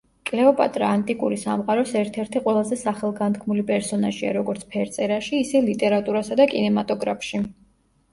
კლეოპატრა ანტიკური სამყაროს ერთ-ერთი ყველაზე სახელგანთქმული პერსონაჟია როგორც ფერწერაში, ისე ლიტერატურასა და კინემატოგრაფში.